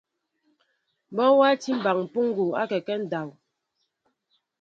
Bɔ watí mɓaŋ mpoŋgo akɛkέ ndáw.